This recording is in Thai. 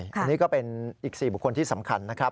อันนี้ก็เป็นอีก๔บุคคลที่สำคัญนะครับ